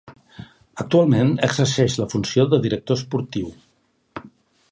Actualment exerceix la funció de director esportiu.